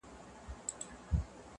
له کوم خیرات څخه به لوږه د چړي سړوو -